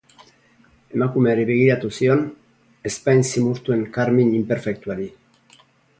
Emakumeari begiratu zion, ezpain zimurtuen karmin inperfektuari.